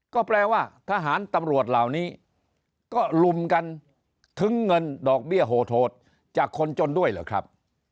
ก็แปลว่าทหารตำรวจเหล่านี้ก็ลุมกันทิ้งเงินดอกเบี้ยโหดจากคนจนด้วยเหรอครับ